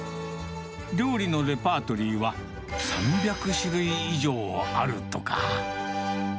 料理のレパートリーは３００種類以上あるとか。